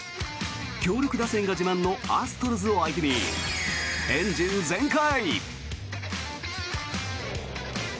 強力打線が自慢のアストロズを相手にエンジン全開。